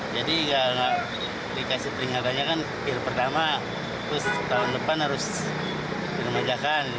jadi dikasih peringatannya kan kir pertama terus tahun depan harus dirumanjakan